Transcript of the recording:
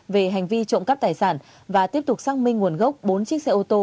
về hành vi trộm cắp tài sản và tiếp tục xác minh nguồn gốc bốn chiếc xe ô tô